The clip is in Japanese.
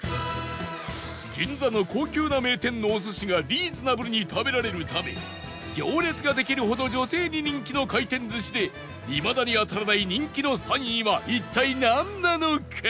銀座の高級な名店のお寿司がリーズナブルに食べられるため行列ができるほど女性に人気の回転寿司でいまだに当たらない人気の３位は一体なんなのか？